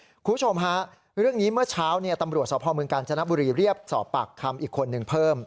คุณผู้ชมฮะเรื่องนี้เมื่อเช้าตำรวจสพเมืองกาญจนบุรีเรียบสอบปากคำอีกคนนึงเพิ่ม